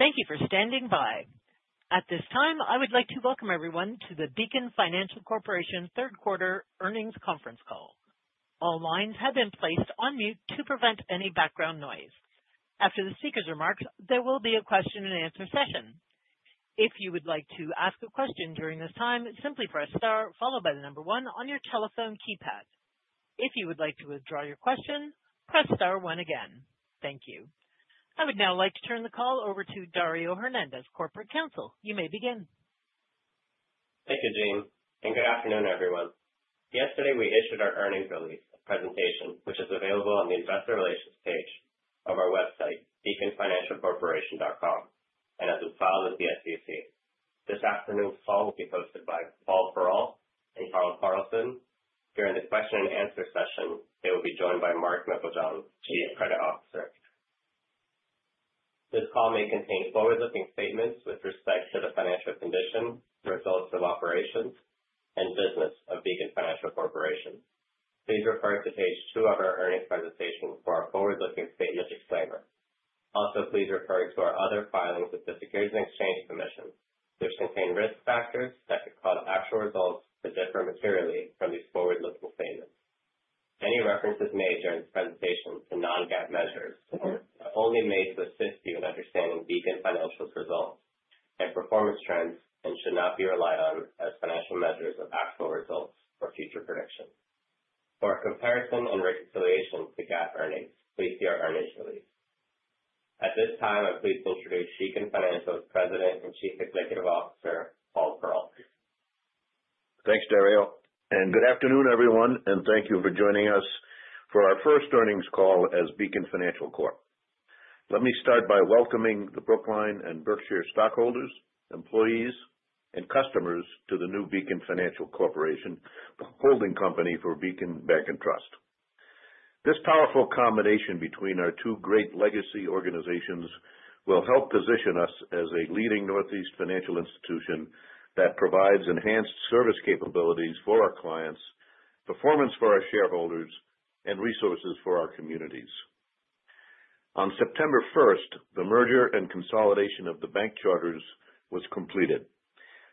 Thank you for standing by. At this time, I would like to welcome everyone to the Beacon Financial Corporation Q3 Earnings Conference Call. All lines have been placed on mute to prevent any background noise. After the speaker's remarks, there will be a question-and-answer session. If you would like to ask a question during this time, simply press star followed by the number one on your telephone keypad. If you would like to withdraw your question, press star one again. Thank you. I would now like to turn the call over to Dario Hernandez, Corporate Counsel. You may begin. Thank you, Jean. Good afternoon, everyone. Yesterday, we issued our earnings release presentation, which is available on the Investor Relations page of our website, beaconfinancialcorporation.com, and as a file with the SEC. This afternoon's call will be hosted by Paul Perrault and Carl Carlson. During the question-and-answer session, they will be joined by Mark Meiklejohn, Chief Credit Officer. This call may contain forward-looking statements with respect to the financial condition, results of operations, and business of Beacon Financial Corporation. Please refer to page two of our earnings presentation for our forward-looking statement disclaimer. Also, please refer to our other filings with the Securities and Exchange Commission, which contain risk factors that could cause actual results to differ materially from these forward-looking statements. Any references made during this presentation to non-GAAP measures are only made to assist you in understanding Beacon Financial's results and performance trends and should not be relied on as financial measures of actual results or future predictions. For a comparison and reconciliation to GAAP earnings, please see our earnings release. At this time, I'm pleased to introduce Beacon Financial's President and Chief Executive Officer, Paul Perrault. Thanks, Dario, and good afternoon, everyone, and thank you for joining us for our first earnings call as Beacon Financial Corp. Let me start by welcoming the Brookline and Berkshire stockholders, employees, and customers to the new Beacon Financial Corporation, the holding company for Beacon Bank and Trust. This powerful combination between our two great legacy organizations will help position us as a leading Northeast financial institution that provides enhanced service capabilities for our clients, performance for our shareholders, and resources for our communities. On September 1st, the merger and consolidation of the bank charters was completed.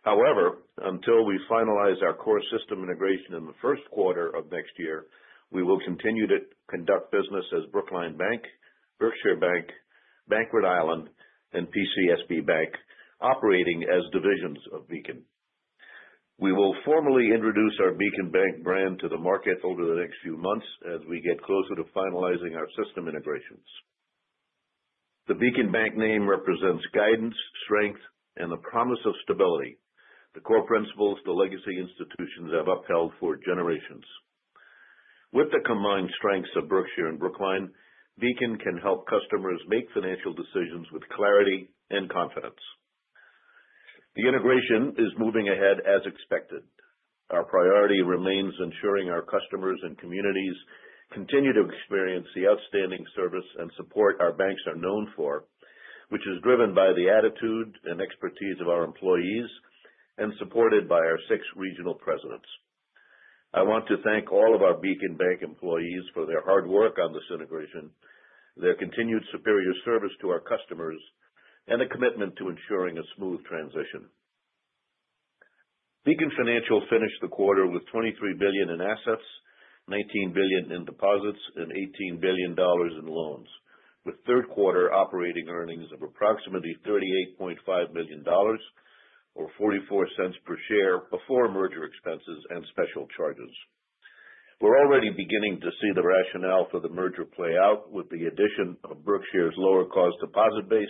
However, until we finalize our core system integration in the Q1 of next year, we will continue to conduct business as Brookline Bank, Berkshire Bank, Bank Rhode Island, and PCSB Bank, operating as divisions of Beacon. We will formally introduce our Beacon Bank brand to the market over the next few months as we get closer to finalizing our system integrations. The Beacon Bank name represents guidance, strength, and the promise of stability, the core principles the legacy institutions have upheld for generations. With the combined strengths of Berkshire and Brookline, Beacon can help customers make financial decisions with clarity and confidence. The integration is moving ahead as expected. Our priority remains ensuring our customers and communities continue to experience the outstanding service and support our banks are known for, which is driven by the attitude and expertise of our employees and supported by our six regional presidents. I want to thank all of our Beacon Bank employees for their hard work on this integration, their continued superior service to our customers, and the commitment to ensuring a smooth transition. Beacon Financial finished the quarter with $23 billion in assets, $19 billion in deposits, and $18 billion in loans, with Q3 operating earnings of approximately $38.5 million or $0.44 per share before merger expenses and special charges. We're already beginning to see the rationale for the merger play out with the addition of Berkshire's lower cost deposit base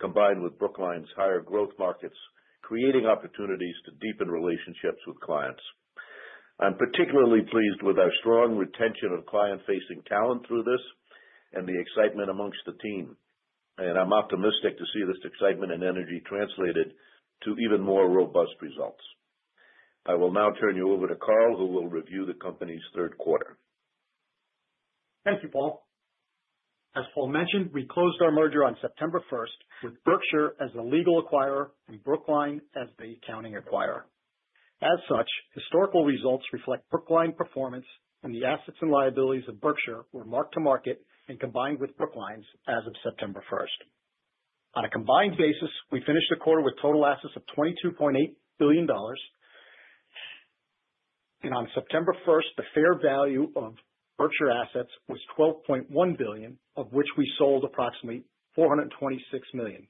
combined with Brookline's higher growth markets, creating opportunities to deepen relationships with clients. I'm particularly pleased with our strong retention of client-facing talent through this and the excitement amongst the team, and I'm optimistic to see this excitement and energy translated to even more robust results. I will now turn you over to Carl, who will review the company's Q3. Thank you, Paul. As Paul mentioned, we closed our merger on September 1st with Berkshire as the legal acquirer and Brookline as the accounting acquirer. As such, historical results reflect Brookline performance, and the assets and liabilities of Berkshire were marked to market and combined with Brookline's as of September 1st. On a combined basis, we finished the quarter with total assets of $22.8 billion, and on September 1st, the fair value of Berkshire assets was $12.1 billion, of which we sold approximately $426 million,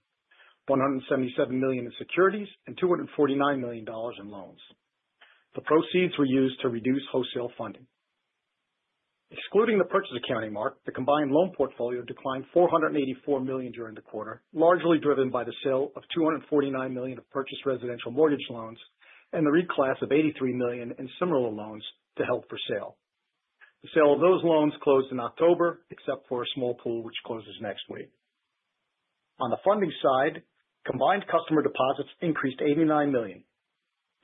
$177 million in securities, and $249 million in loans. The proceeds were used to reduce wholesale funding. Excluding the purchase accounting mark, the combined loan portfolio declined $484 million during the quarter, largely driven by the sale of $249 million of purchased residential mortgage loans and the reclass of $83 million in similar loans to held for sale. The sale of those loans closed in October, except for a small pool which closes next week. On the funding side, combined customer deposits increased $89 million.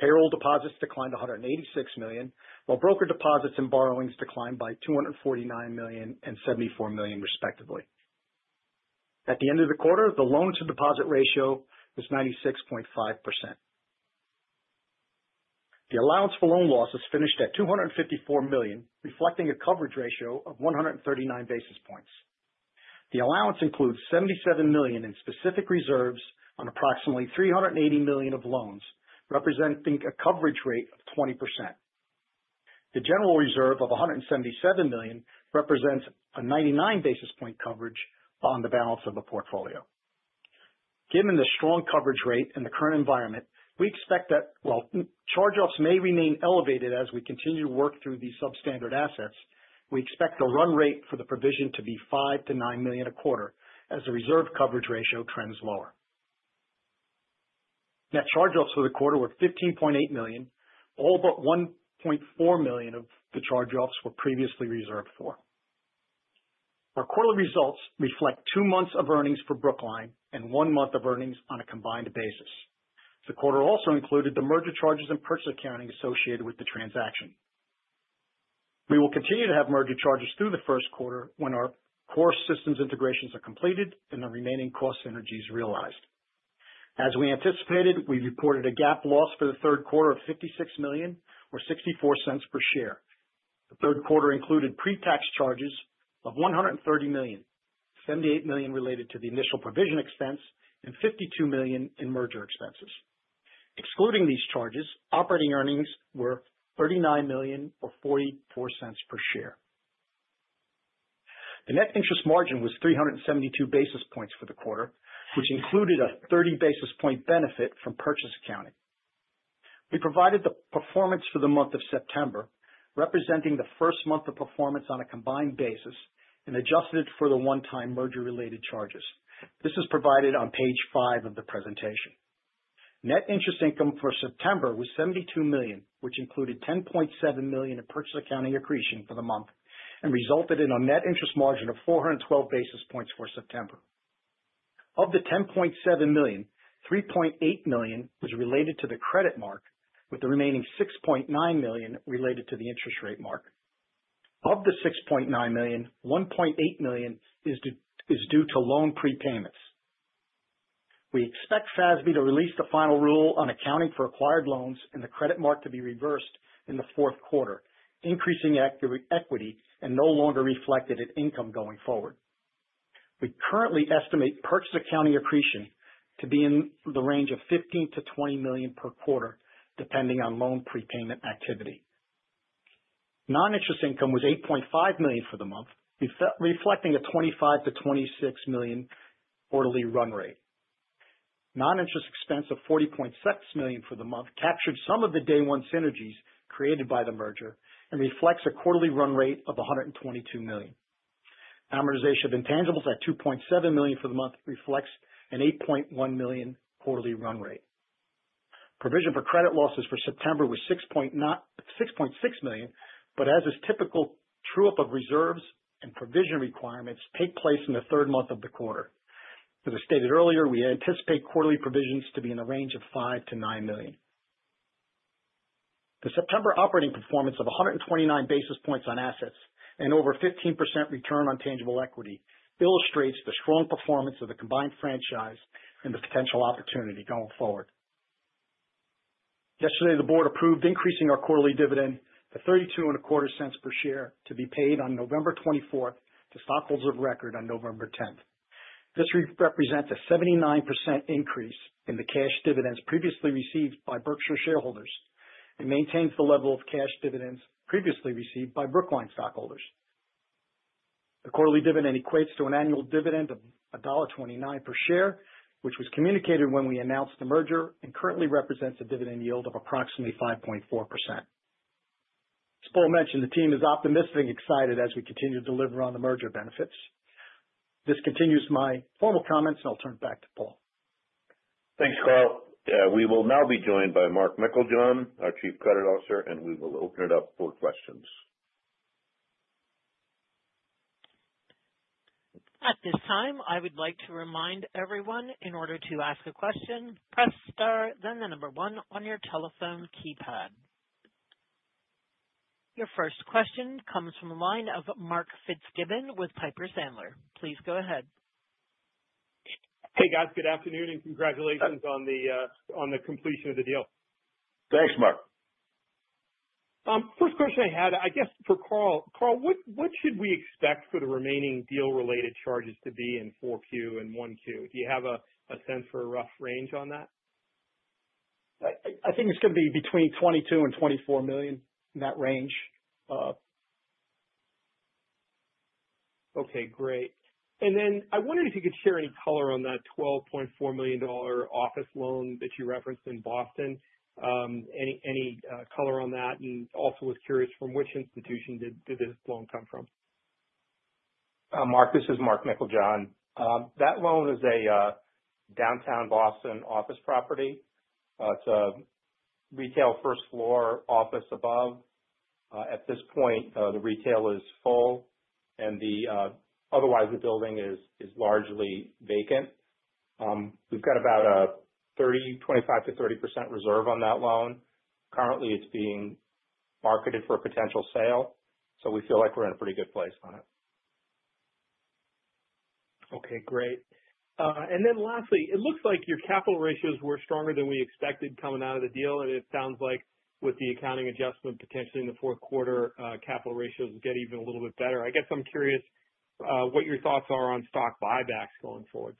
Payroll deposits declined $186 million, while broker deposits and borrowings declined by $249 million and $74 million, respectively. At the end of the quarter, the loan-to-deposit ratio was 96.5%. The allowance for loan losses finished at $254 million, reflecting a coverage ratio of 139 basis points. The allowance includes $77 million in specific reserves on approximately $380 million of loans, representing a coverage rate of 20%. The general reserve of $177 million represents a 99 basis point coverage on the balance of the portfolio. Given the strong coverage rate and the current environment, we expect that while charge-offs may remain elevated as we continue to work through these substandard assets, we expect the run rate for the provision to be $5-$9 million a quarter as the reserve coverage ratio trends lower. Net charge-offs for the quarter were $15.8 million, all but $1.4 million of the charge-offs were previously reserved for. Our quarterly results reflect two months of earnings for Brookline and one month of earnings on a combined basis. The quarter also included the merger charges and purchase accounting associated with the transaction. We will continue to have merger charges through the Q1 when our core systems integrations are completed and the remaining cost synergies realized. As we anticipated, we reported a GAAP loss for the Q3 of $56 million or $0.64 per share. The Q3 included pre-tax charges of $130 million, $78 million related to the initial provision expense, and $52 million in merger expenses. Excluding these charges, operating earnings were $39 million or $0.44 per share. The net interest margin was 372 basis points for the quarter, which included a 30 basis point benefit from purchase accounting. We provided the performance for the month of September, representing the first month of performance on a combined basis, and adjusted it for the one-time merger-related charges. This is provided on Page five of the presentation. Net interest income for September was $72 million, which included $10.7 million in purchase accounting accretion for the month and resulted in a net interest margin of 412 basis points for September. Of the $10.7 million, $3.8 million was related to the credit mark, with the remaining $6.9 million related to the interest rate mark. Of the $6.9 million, $1.8 million is due to loan prepayments. We expect FASB to release the final rule on accounting for acquired loans and the credit mark to be reversed in the Q4, increasing equity and no longer reflected in income going forward. We currently estimate purchase accounting accretion to be in the range of $15-$20 million per quarter, depending on loan prepayment activity. Non-interest income was $8.5 million for the month, reflecting a $25-$26 million quarterly run rate. Non-interest expense of $40.6 million for the month captured some of the day-one synergies created by the merger and reflects a quarterly run rate of $122 million. Amortization of intangibles at $2.7 million for the month reflects an $8.1 million quarterly run rate. Provision for credit losses for September was $6.6 million, but as is typical, true-up of reserves and provision requirements take place in the third month of the quarter. As I stated earlier, we anticipate quarterly provisions to be in the range of $5-$9 million. The September operating performance of 129 basis points on assets and over 15% return on tangible equity illustrates the strong performance of the combined franchise and the potential opportunity going forward. Yesterday, the Board approved increasing our quarterly dividend to $32.25 per share to be paid on November 24th to stockholders of record on November 10th. This represents a 79% increase in the cash dividends previously received by Berkshire shareholders and maintains the level of cash dividends previously received by Brookline stockholders. The quarterly dividend equates to an annual dividend of $1.29 per share, which was communicated when we announced the merger and currently represents a dividend yield of approximately 5.4%. As Paul mentioned, the team is optimistic and excited as we continue to deliver on the merger benefits. This continues my formal comments, and I'll turn it back to Paul. Thanks, Carl. We will now be joined by Mark Meiklejohn, our Chief Credit Officer, and we will open it up for questions. At this time, I would like to remind everyone in order to ask a question, press star, then the number one on your telephone keypad. Your first question comes from the line of Marc Fitzgibbon with Piper Sandler. Please go ahead. Hey, guys. Good afternoon and congratulations on the completion of the deal. Thanks, Mark. First question I had, I guess for Carl, Carl, what should we expect for the remaining deal-related charges to be in 4Q and 1Q? Do you have a sense for a rough range on that? I think it's going to be between $22 and $24 million, in that range. Okay, great. And then I wondered if you could share any color on that $12.4 million office loan that you referenced in Boston. Any color on that? And also was curious, from which institution did this loan come from? Mark, this is Mark Meiklejohn. That loan is a downtown Boston office property. It's a retail first-floor office above. At this point, the retail is full, and otherwise, the building is largely vacant. We've got about a 25%-30% reserve on that loan. Currently, it's being marketed for a potential sale, so we feel like we're in a pretty good place on it. Okay, great. And then lastly, it looks like your capital ratios were stronger than we expected coming out of the deal, and it sounds like with the accounting adjustment, potentially in the Q4, capital ratios will get even a little bit better. I guess I'm curious what your thoughts are on stock buybacks going forward.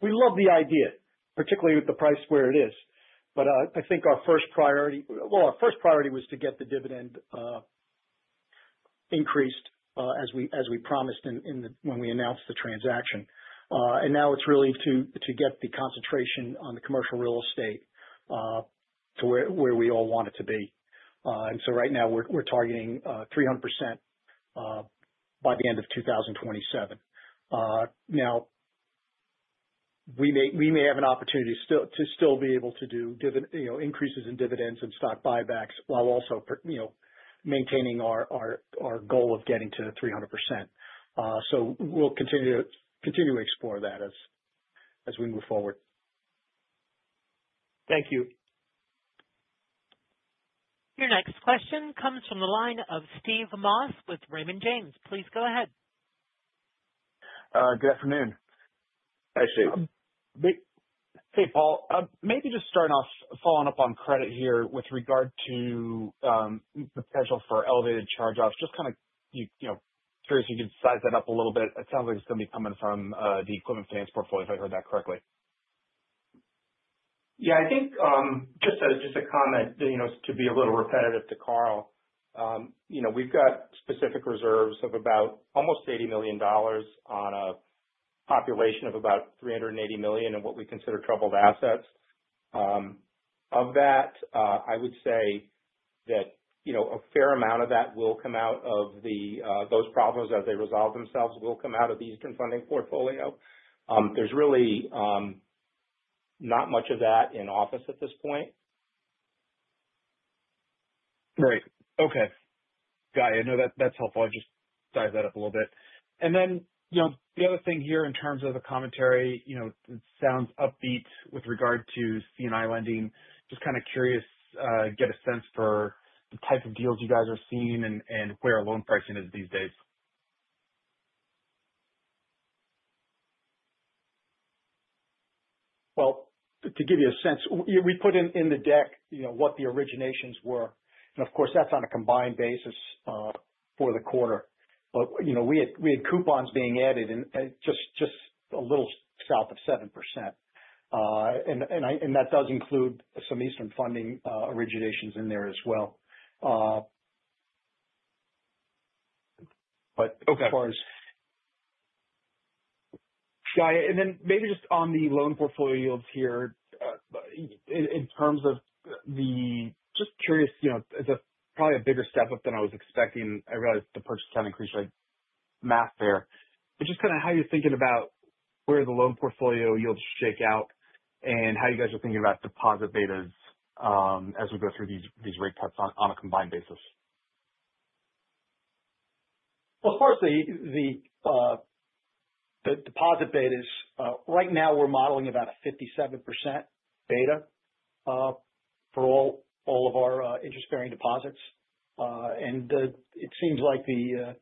We love the idea, particularly with the price where it is. But I think our first priority, well, our first priority was to get the dividend increased as we promised when we announced the transaction. And now it's really to get the concentration on the commercial real estate to where we all want it to be. And so right now, we're targeting 300% by the end of 2027. Now, we may have an opportunity to still be able to do increases in dividends and stock buybacks while also maintaining our goal of getting to 300%. So we'll continue to explore that as we move forward. Thank you. Your next question comes from the line of Steve Moss with Raymond James. Please go ahead. Good afternoon. Hey, Steve. Hey, Paul. Maybe just starting off, following up on credit here with regard to the potential for elevated charge-offs, just kind of curious if you could size that up a little bit. It sounds like it's going to be coming from the equipment finance portfolio, if I heard that correctly? Yeah, I think just a comment to be a little repetitive to Carl. We've got specific reserves of about almost $80 million on a population of about $380 million in what we consider troubled assets. Of that, I would say that a fair amount of that will come out of those problems as they resolve themselves, will come out of the Eastern Funding portfolio. There's really not much of that in office at this point. Right. Okay. Got it. I know that's helpful. I just sized that up a little bit. And then the other thing here in terms of the commentary, it sounds upbeat with regard to C&I lending. Just kind of curious, get a sense for the type of deals you guys are seeing and where loan pricing is these days. To give you a sense, we put in the deck what the originations were. And of course, that's on a combined basis for the quarter. But we had coupons being added just a little south of 7%. And that does include some Eastern Funding originations in there as well. But as far as. Got it. And then maybe just on the loan portfolio yields here, in terms of the—just curious, it's probably a bigger step up than I was expecting. I realize the purchase accounting increase math there. But just kind of how you're thinking about where the loan portfolio yields shake out and how you guys are thinking about deposit betas as we go through these rate cuts on a combined basis. Of course, the deposit betas, right now, we're modeling about a 57% beta for all of our interest-bearing deposits. It seems like the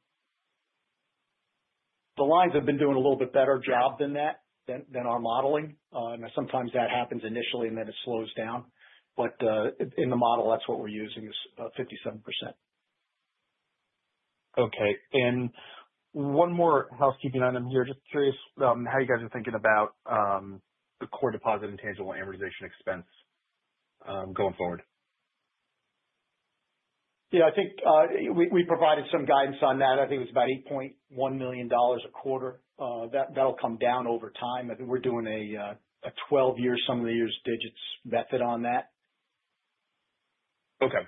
lines have been doing a little bit better job than that, than our modeling. Sometimes that happens initially, and then it slows down. In the model, that's what we're using is 57%. Okay. And one more housekeeping item here. Just curious how you guys are thinking about the core deposit intangible amortization expense going forward. Yeah, I think we provided some guidance on that. I think it was about $8.1 million a quarter. That'll come down over time. I think we're doing a 12-year sum of the years' digits method on that. Okay.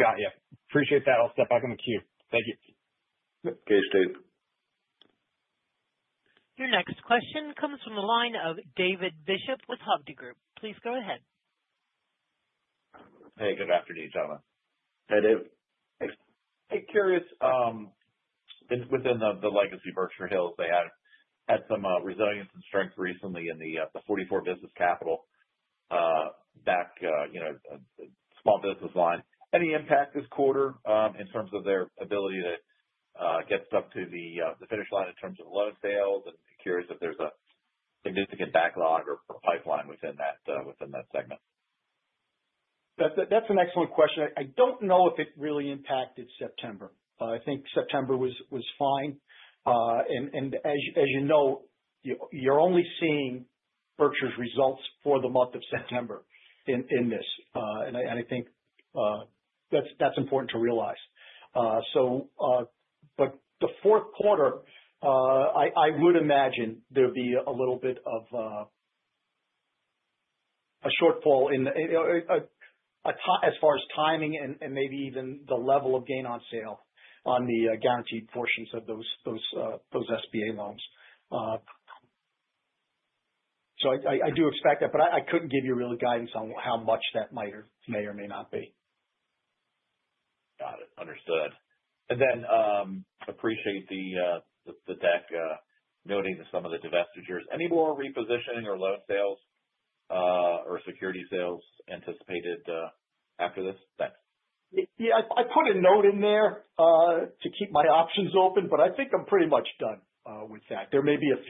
Got you. Appreciate that. I'll step back in the queue. Thank you. Okay, Steve. Your next question comes from the line of David Bishop with Hovde Group. Please go ahead. Hey, good afternoon, gentlemen. Hey, Dave. Hey. Hey, curious. Within the legacy Berkshire Hills, they had some resilience and strength recently in the 44 Business Capital SBA small business line. Any impact this quarter in terms of their ability to get stuff to the finish line in terms of loan sales? And curious if there's a significant backlog or pipeline within that segment. That's an excellent question. I don't know if it really impacted September. I think September was fine. And as you know, you're only seeing Berkshire's results for the month of September in this. And I think that's important to realize. So But the Q4, I would imagine there'd be a little bit of a shortfall as far as timing and maybe even the level of gain on sale on the guaranteed portions of those SBA loans. So I do expect that, but I couldn't give you real guidance on how much that may or may not be. Got it. Understood. And then appreciate the deck noting some of the divestitures. Any more repositioning or loan sales or security sales anticipated after this? Yeah, I put a note in there to keep my options open, but I think I'm pretty much done with that. There may be a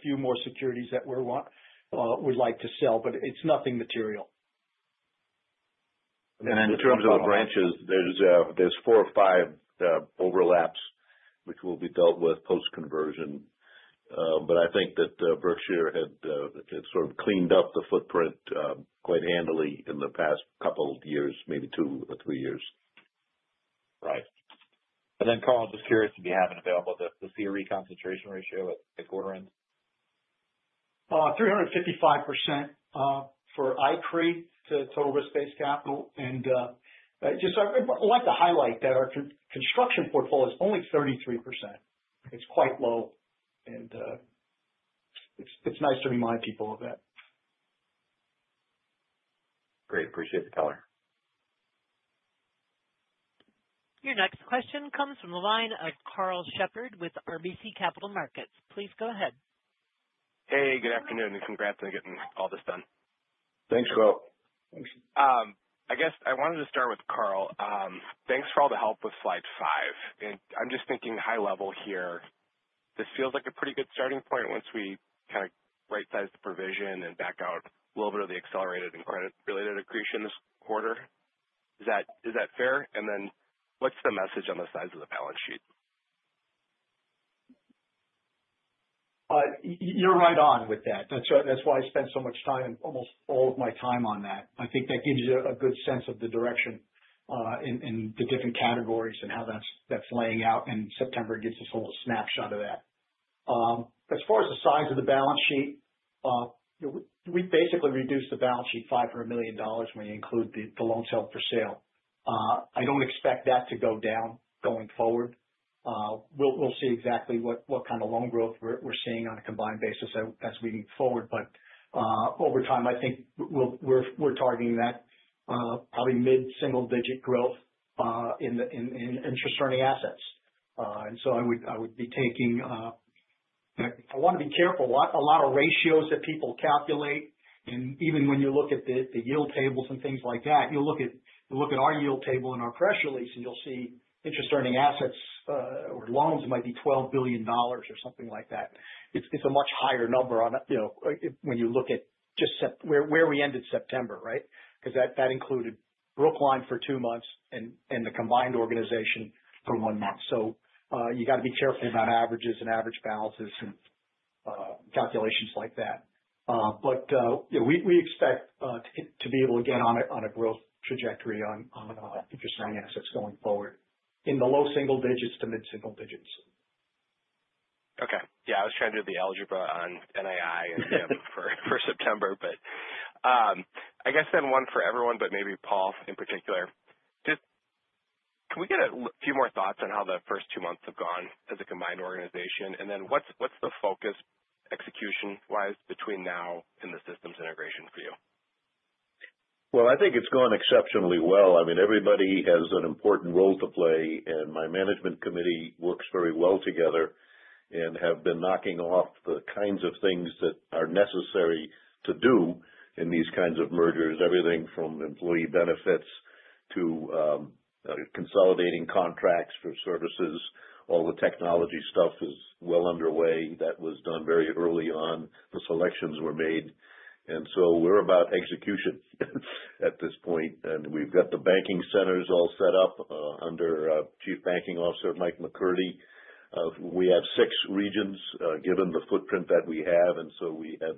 few more securities that we'd like to sell, but it's nothing material. And then in terms of the branches, there's four or five overlaps which will be dealt with post-conversion. But I think that Berkshire had sort of cleaned up the footprint quite handily in the past couple of years, maybe two or three years. Right. And then, Carl, just curious if you have available the CRE concentration ratio at quarter end? 355% for ICRE total risk-based capital. And I'd like to highlight that our construction portfolio is only 33%. It's quite low, and it's nice to remind people of that. Great. Appreciate the color. Your next question comes from the line of Karl Shepard with RBC Capital Markets. Please go ahead. Hey, good afternoon, and congrats on getting all this done. Thanks, Karl. Thanks. I guess I wanted to start with Carl. Thanks for all the help with slide five. And I'm just thinking high level here, this feels like a pretty good starting point once we kind of right-size the provision and back out a little bit of the accelerated and credit-related accretion this quarter. Is that fair? And then what's the message on the size of the balance sheet? You're right on with that. That's why I spent so much time and almost all of my time on that. I think that gives you a good sense of the direction in the different categories and how that's laying out. And September gives us a little snapshot of that. As far as the size of the balance sheet, we basically reduced the balance sheet by $500 million when you include the loans held for sale. I don't expect that to go down going forward. We'll see exactly what kind of loan growth we're seeing on a combined basis as we move forward. But over time, I think we're targeting that probably mid-single-digit growth in interest-earning assets. And so I would be taking, I want to be careful. A lot of ratios that people calculate, and even when you look at the yield tables and things like that, you'll look at our yield table and our press release, and you'll see interest-earning assets or loans might be $12 billion or something like that. It's a much higher number when you look at just where we ended September, right? Because that included Brookline for two months and the combined organization for one month. So you got to be careful about averages and average balances and calculations like that. But we expect to be able to get on a growth trajectory on interest-earning assets going forward in the low single digits to mid-single digits. Okay. Yeah, I was trying to do the algebra on NII for September, but I guess then one for everyone, but maybe Paul in particular. Can we get a few more thoughts on how the first two months have gone as a combined organization? And then what's the focus execution-wise between now and the systems integration for you? I think it's gone exceptionally well. I mean, everybody has an important role to play, and my management committee works very well together and have been knocking off the kinds of things that are necessary to do in these kinds of mergers. Everything from employee benefits to consolidating contracts for services. All the technology stuff is well underway. That was done very early on. The selections were made. And so we're about execution at this point. We've got the banking centers all set up under Chief Banking Officer Mike McCurdy. We have six regions given the footprint that we have. We have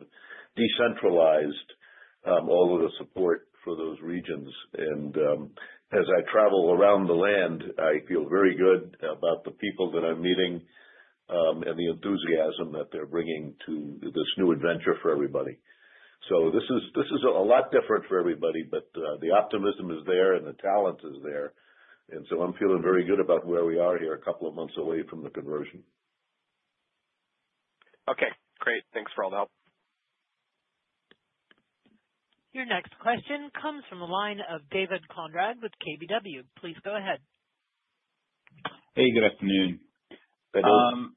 decentralized all of the support for those regions. As I travel around the land, I feel very good about the people that I'm meeting and the enthusiasm that they're bringing to this new adventure for everybody. So this is a lot different for everybody, but the optimism is there and the talent is there, and so I'm feeling very good about where we are here a couple of months away from the conversion. Okay. Great. Thanks for all the help. Your next question comes from the line of David Konrad with KBW. Please go ahead. Hey, good afternoon. Hey, David.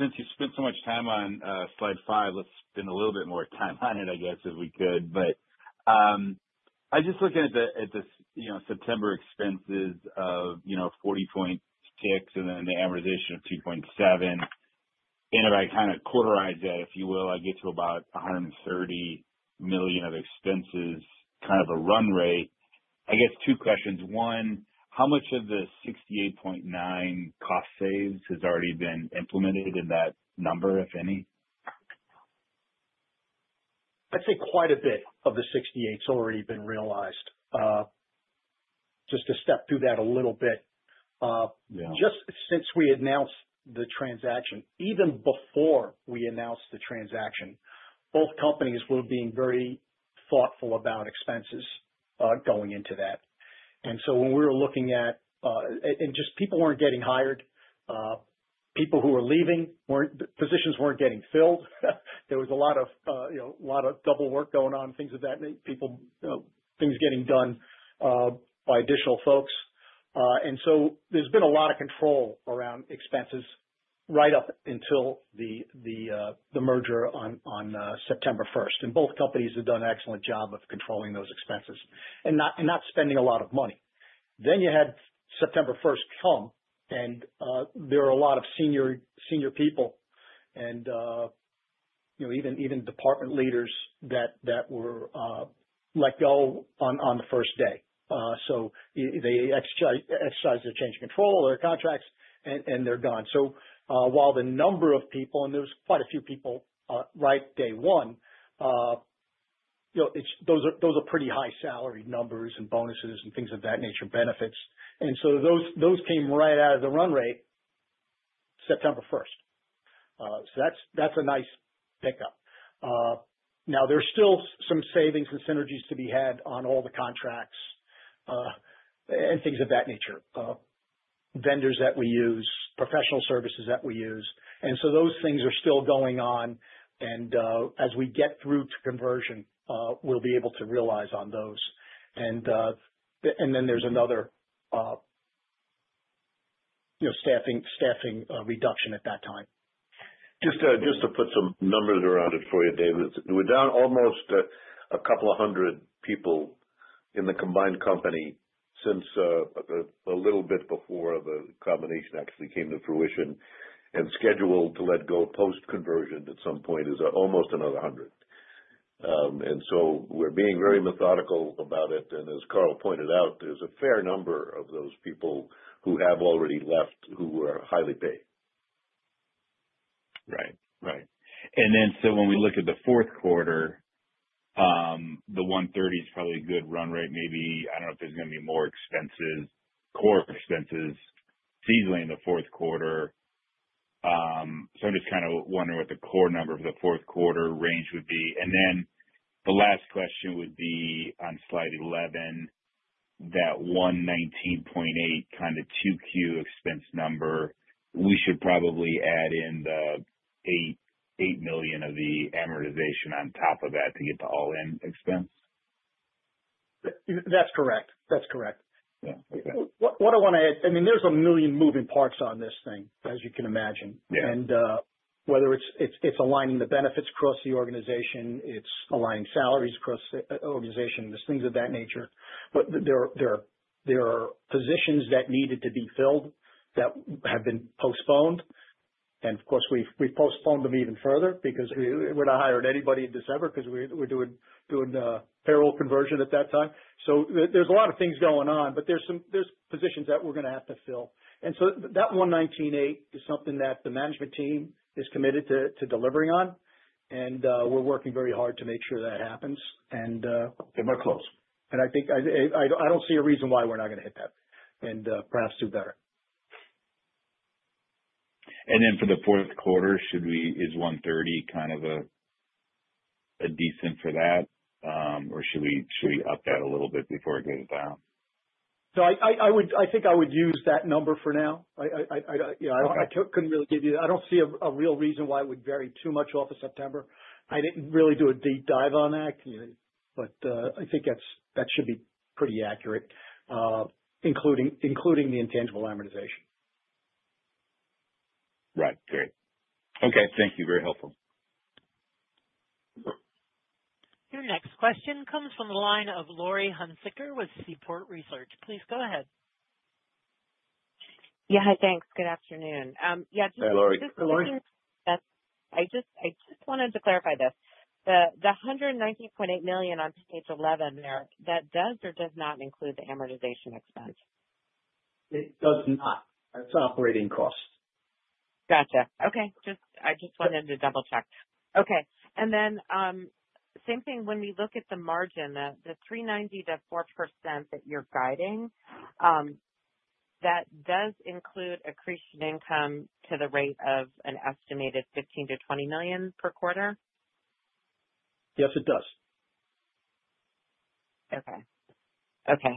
Since you spent so much time on slide five, let's spend a little bit more time on it, I guess, if we could. But I'm just looking at the September expenses of $40.6 and then the amortization of $2.7. And if I kind of quarterize that, if you will, I get to about $130 million of expenses, kind of a run rate. I guess two questions. One, how much of the $68.9 cost savings has already been implemented in that number, if any? I'd say quite a bit of the 68's already been realized. Just to step through that a little bit. Just since we announced the transaction, even before we announced the transaction, both companies were being very thoughtful about expenses going into that. And so when we were looking at, and just people weren't getting hired. People who were leaving, positions weren't getting filled. There was a lot of double work going on, things of that nature, things getting done by additional folks. And so there's been a lot of control around expenses right up until the merger on September 1st. And both companies have done an excellent job of controlling those expenses and not spending a lot of money. Then you had September 1st come, and there were a lot of senior people and even department leaders that were let go on the first day. So they exercised their change of control or their contracts, and they're gone. While the number of people, and there was quite a few people right day one, those are pretty high salary numbers and bonuses and things of that nature, benefits, so those came right out of the run rate September 1st. That's a nice pickup. Now, there's still some savings and synergies to be had on all the contracts and things of that nature, vendors that we use, professional services that we use, and so those things are still going on, and as we get through to conversion, we'll be able to realize on those, then there's another staffing reduction at that time. Just to put some numbers around it for you, David, we're down almost a couple of hundred people in the combined company since a little bit before the combination actually came to fruition, and scheduled to let go post-conversion at some point is almost another hundred. And so we're being very methodical about it. And as Carl pointed out, there's a fair number of those people who have already left who were highly paid. Right. Right. And then, so when we look at the Q4, the $130s probably a good run rate. Maybe I don't know if there's going to be more expenses, core expenses seasonally in the Q4. So, I'm just kind of wondering what the core number for the Q4 range would be. And then, the last question would be on Slide 11, that $119.8 kind of 2Q expense number. We should probably add in the $8 million of the amortization on top of that to get the all-in expense. That's correct. That's correct. What I want to add, I mean, there's a million moving parts on this thing, as you can imagine, and whether it's aligning the benefits across the organization, it's aligning salaries across the organization, just things of that nature, but there are positions that needed to be filled that have been postponed, and of course, we've postponed them even further because we're not hiring anybody in December because we're doing payroll conversion at that time, so there's a lot of things going on, but there's positions that we're going to have to fill, and so that $119.8 is something that the management team is committed to delivering on, and we're working very hard to make sure that happens, and we're close, and I don't see a reason why we're not going to hit that and perhaps do better. And then, for the Q4, is 130 kind of a decent for that? Or should we up that a little bit before it goes down? So I think I would use that number for now. I couldn't really give you, I don't see a real reason why it would vary too much off of September. I didn't really do a deep dive on that, but I think that should be pretty accurate, including the intangible amortization. Right. Great. Okay. Thank you. Very helpful. Your next question comes from the line of Laurie Hunsicker with Seaport Research Partners. Please go ahead. Yeah. Hi, thanks. Good afternoon. Yeah. Hi, Laurie. I just wanted to clarify this. The $119.8 million on page 11 there, that does or does not include the amortization expense? It does not. That's operating costs. Gotcha. Okay. I just wanted to double-check. Okay. And then same thing when we look at the margin, the 3.90-4% that you're guiding, that does include accretion income to the rate of an estimated $15 million-$20 million per quarter? Yes, it does. Okay.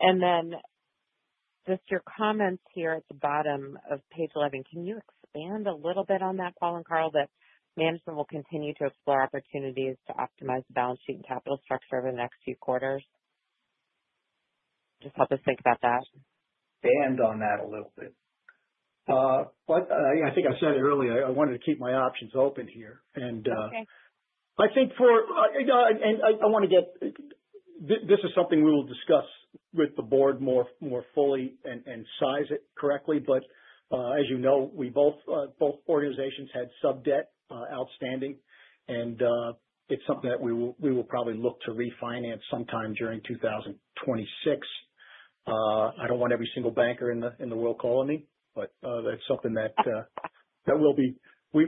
And then just your comments here at the bottom of page 11, can you expand a little bit on that, Paul and Carl, that management will continue to explore opportunities to optimize the balance sheet and capital structure over the next few quarters? Just help us think about that. Expand on that a little bit. But I think I said it earlier, I wanted to keep my options open here. And I think for—and I want to get—this is something we will discuss with the board more fully and size it correctly. But as you know, both organizations had sub-debt outstanding, and it's something that we will probably look to refinance sometime during 2026. I don't want every single banker in the world calling me, but that's something that we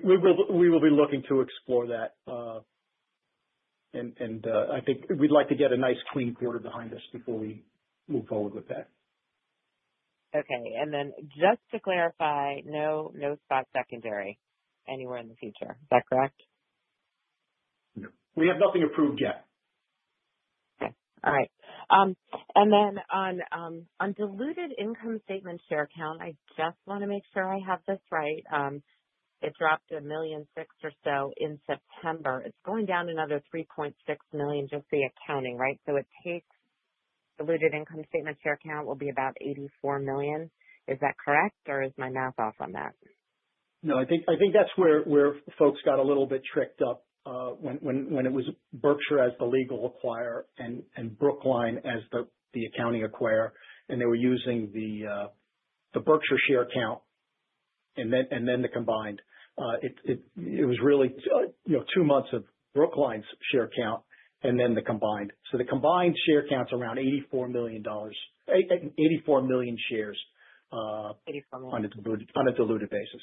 will be looking to explore that. And I think we'd like to get a nice clean quarter behind us before we move forward with that. Okay. And then just to clarify, no spot secondary anywhere in the future. Is that correct? No. We have nothing approved yet. Okay. All right. And then on diluted income statement share count, I just want to make sure I have this right. It dropped $1.6 million or so in September. It's going down another $3.6 million just the accounting, right? So it takes diluted income statement share count will be about $84 million. Is that correct? Or is my math off on that? No, I think that's where folks got a little bit tricked up when it was Berkshire as the legal acquirer and Brookline as the accounting acquirer. And they were using the Berkshire share count and then the combined. It was really two months of Brookline's share count and then the combined. So the combined share count's around $84 million - 84 million shares on a diluted basis.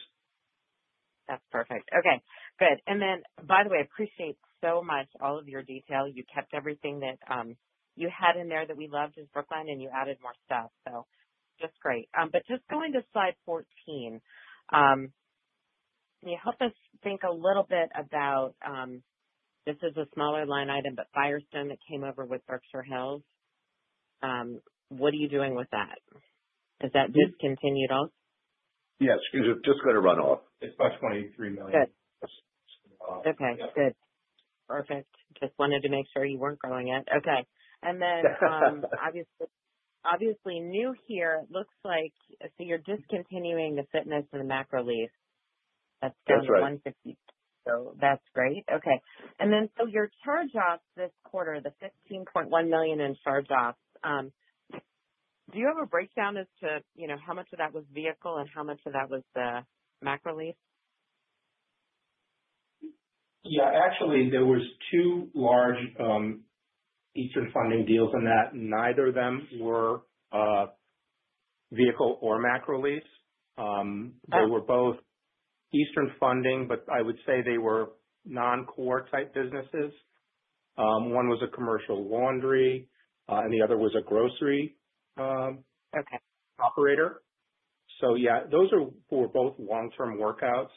That's perfect. Okay. Good. And then, by the way, I appreciate so much all of your detail. You kept everything that you had in there that we loved as Brookline, and you added more stuff. So just great. But just going to Slide 14, can you help us think a little bit about this is a smaller line item, but Firestone that came over with Berkshire Hills? What are you doing with that? Is that discontinued also? Yes. It's just going to run off. It's about $23 million. Okay. Good. Perfect. Just wanted to make sure you weren't growing it. Okay. And then, obviously, new here, it looks like, so you're discontinuing the fitness and the Macrolease. That's down to 150. That's great. Okay. And then, so your charge-offs this quarter, the $15.1 million in charge-offs, do you have a breakdown as to how much of that was vehicle and how much of that was the Macrolease? Yeah. Actually, there were two large Eastern Funding deals in that. Neither of them were vehicle or Macrolease. They were both Eastern Funding, but I would say they were non-core type businesses. One was a commercial laundry, and the other was a grocery operator. So yeah, those were both long-term workouts,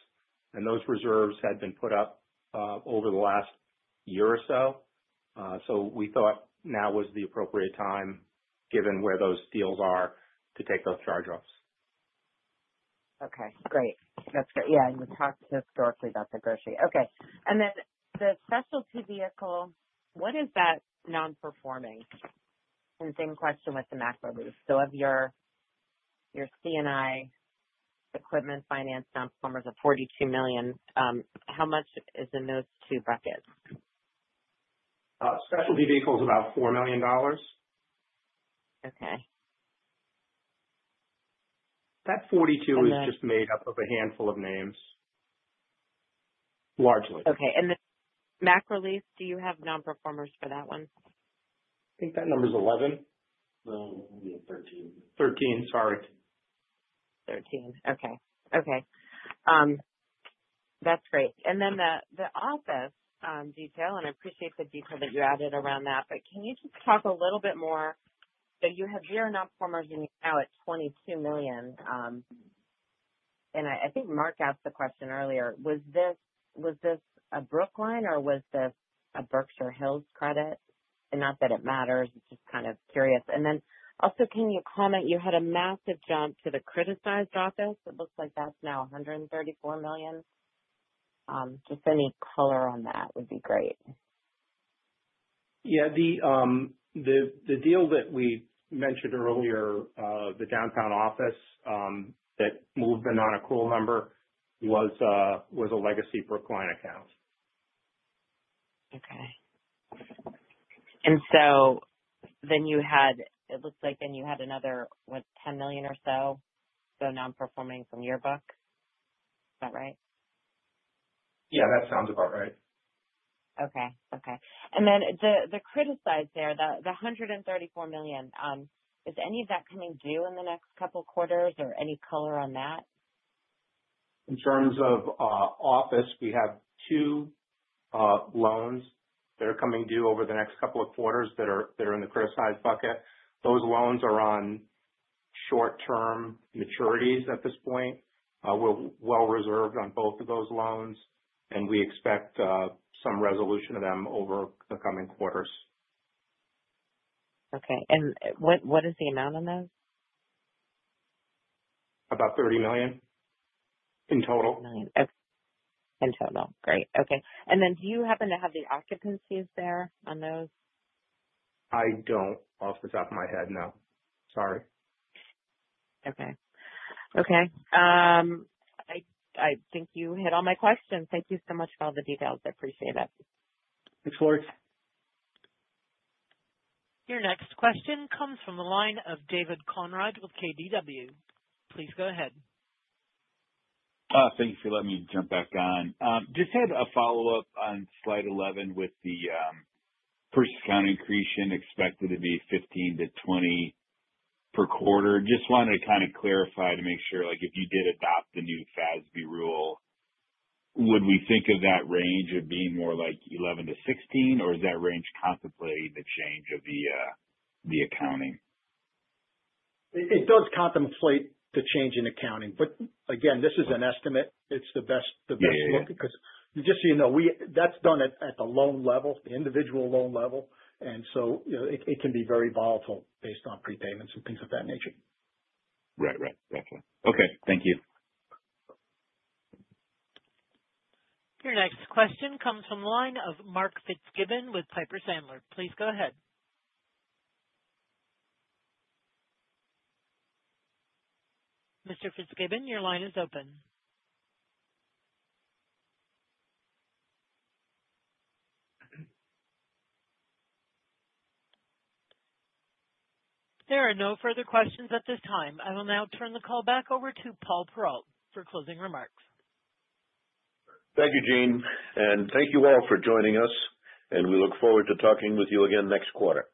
and those reserves had been put up over the last year or so. So we thought now was the appropriate time, given where those deals are, to take those charge-offs. Okay. Great. That's great. Yeah, and we talked historically about the grocery. Okay. And then the specialty vehicle, what is that non-performing? And same question with the Macrolease. So of your C&I equipment finance non-performers of $42 million, how much is in those two buckets? Specialty vehicles about $4 million. Okay. That $42 million is just made up of a handful of names, largely. Okay. And then Macrolease, do you have non-performers for that one? I think that number's 11. No. 13. 13. Sorry. Okay. Okay. That's great. And then the office detail, and I appreciate the detail that you added around that, but can you just talk a little bit more? So you have zero non-performers and you're now at $22 million. And I think Mark asked the question earlier. Was this a Brookline or was this a Berkshire Hills credit? And not that it matters, just kind of curious. And then also, can you comment? You had a massive jump to the criticized office. It looks like that's now $134 million. Just any color on that would be great. Yeah. The deal that we mentioned earlier, the downtown office that moved in on a cool number was a legacy Brookline account. Okay. And so then you had. It looks like then you had another, what, $10 million or so? So non-performing from your book. Is that right? Yeah. That sounds about right. Okay. And then the criticized there, the $134 million, is any of that coming due in the next couple of quarters or any color on that? In terms of office, we have two loans that are coming due over the next couple of quarters that are in the criticized bucket. Those loans are on short-term maturities at this point. We're well reserved on both of those loans, and we expect some resolution of them over the coming quarters. Okay, and what is the amount on those? About $30 million in total. $30 million. Okay. In total. Great. Okay. And then do you happen to have the occupancies there on those? I don't, off the top of my head. No. Sorry. Okay. Okay. I think you hit all my questions. Thank you so much for all the details. I appreciate it. Thanks, Laurie. Your next question comes from the line of David Konrad with KBW. Please go ahead. Thank you for letting me jump back on. Just had a follow-up on slide 11 with the purchase accounting accretion expected to be 15-20 per quarter. Just wanted to kind of clarify to make sure if you did adopt the new FASB rule, would we think of that range of being more like 11-16, or is that range contemplating the change of the accounting? It does contemplate the change in accounting, but again, this is an estimate. It's the best look because just so you know, that's done at the loan level, the individual loan level, and so it can be very volatile based on prepayments and things of that nature. Right. Right. Gotcha. Okay. Thank you. Your next question comes from the line of Mark Fitzgibbon with Piper Sandler. Please go ahead. Mr. Fitzgibbon, your line is open. There are no further questions at this time. I will now turn the call back over to Paul Perrault for closing remarks. Thank you, Jean. And thank you all for joining us, and we look forward to talking with you again next quarter. Good day.